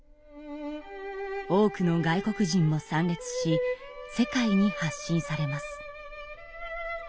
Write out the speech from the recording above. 多くの外国人も参列し世界に発信されます。